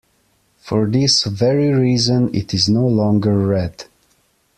For this very reason it is no longer read.